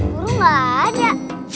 guru enggak ada